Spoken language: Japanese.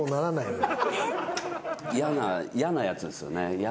嫌なやつですよね。